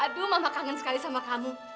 aduh mama kangen sekali sama kamu